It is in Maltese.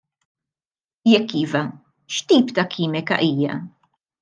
Jekk iva, x'tip ta' kimika hija?